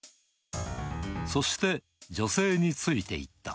そして、女性についていった。